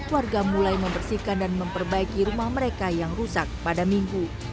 warga mulai membersihkan dan memperbaiki rumah mereka yang rusak pada minggu